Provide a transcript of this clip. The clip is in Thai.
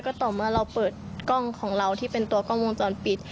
ก็ต่อเมื่อเราเปิดกล้องของเราที่เป็นตัวกล้องวงจรปิด